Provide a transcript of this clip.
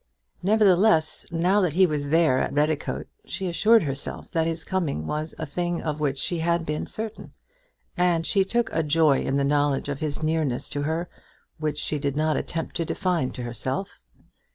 Nevertheless now that he was there at Redicote, she assured herself that his coming was a thing of which she had been certain; and she took a joy in the knowledge of his nearness to her which she did not attempt to define to herself.